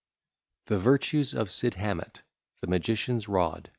_] THE VIRTUES OF SID HAMET THE MAGICIAN'S ROD.